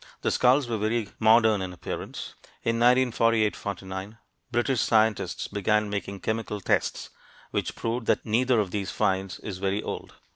The skulls were very modern in appearance. In 1948 49, British scientists began making chemical tests which proved that neither of these finds is very old.